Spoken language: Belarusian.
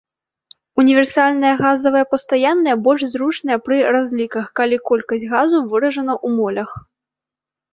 Універсальная газавая пастаянная больш зручная пры разліках, калі колькасць газу выражана у молях.